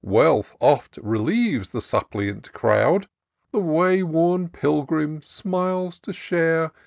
Wealth oft relieves the suppliant crowd. The wayworn pilgrim smiles to share.